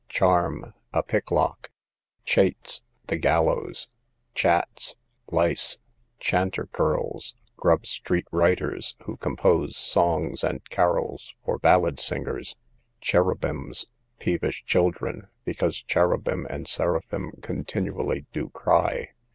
Charm, a picklock. Chates, the gallows. Chats, lice. Chanter culls, grub street writers, who compose songs and carrols for ballad singers. Cherubims, peevish children, because cherubim and seraphim continually do cry.